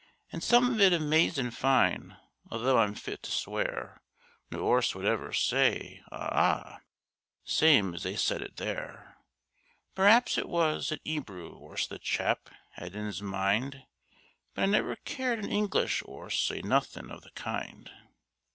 And some of it amazin' fine; although I'm fit to swear No 'orse would ever say 'Ah, ah!' same as they said it there. Per'aps it was an 'Ebrew 'orse the chap 'ad in his mind, But I never 'eard an English 'orse say nothin' of the kind.